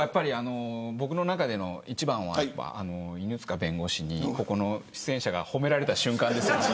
僕の中での一番は犬塚弁護士にここの出演者が褒められた瞬間です。